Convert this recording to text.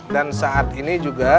dan saat ini juga